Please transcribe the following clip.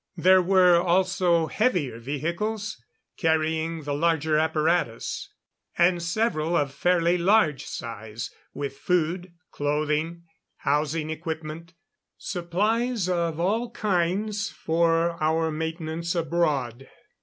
There were also heavier vehicles carrying the larger apparatus; and several of fairly large size with food, clothing, housing equipment supplies of all kinds for our maintenance abroad.